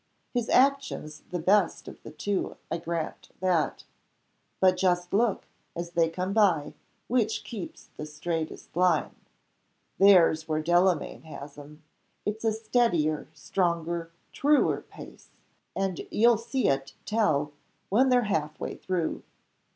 His action's the best of the two; I grant that. But just look, as they come by, which keeps the straightest line. There's where Delamayn has him! It's a steadier, stronger, truer pace; and you'll see it tell when they're half way through."